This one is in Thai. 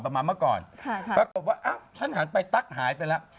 ปรากฏว่าฉันหันไปตั๊กหายไปแล้ว